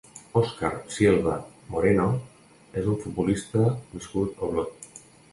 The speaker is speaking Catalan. Óscar Sielva Moreno és un futbolista nascut a Olot.